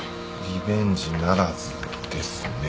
リベンジならずですね。